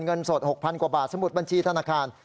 เงินสด๖๐๐กว่าบาทสมุดบัญชีธนาคาร